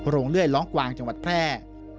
เลื่อยร้องกวางจังหวัดแพร่